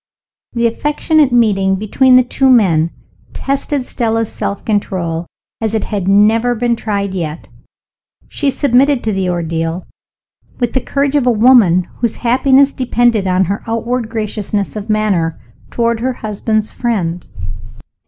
The affectionate meeting between the two men tested Stella's self control as it had never been tried yet. She submitted to the ordeal with the courage of a woman whose happiness depended on her outward graciousness of manner toward her husband's friend.